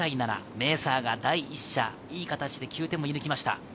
メーサーが第１射、いい形で９点を射抜きました。